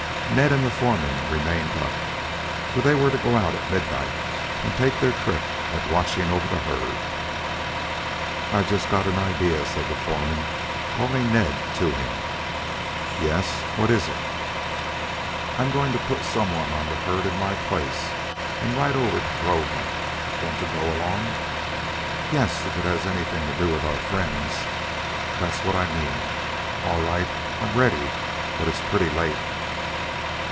Ned and the foreman remained up, for they were to go out at midnight and take their trick at watching over the herd. "I've just got an idea," said the foreman, calling Ned to him. "Yes; what is it?" "I'm going to put some one on the herd in my place and ride over to Groveland. Want to go along?" "Yes, if it has anything to do with our friends." "That's what I mean." "All right, I'm ready; but it is pretty late."